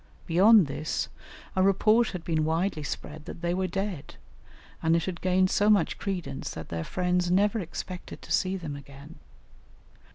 Beyond this, a report had been widely spread that they were dead, and it had gained so much credence that their friends never expected to see them again.